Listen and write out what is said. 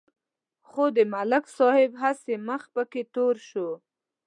خو د ملک صاحب هسې مخ پکې تور شو.